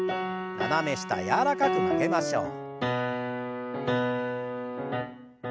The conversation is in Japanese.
斜め下柔らかく曲げましょう。